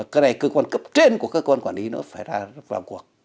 cái này cơ quan cấp trên của cơ quan quản lý nó phải ra vào cuộc